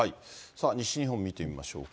西日本見てみましょうか。